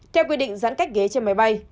theo quy định giãn cách ghế trên máy bay